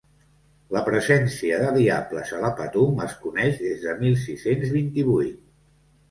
La presència de diables a la Patum es coneix des de mil sis-cents vint-i-vuit.